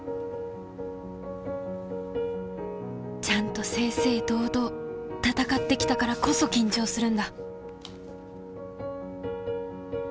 ちゃんと正々堂々戦ってきたからこそ緊張するんだ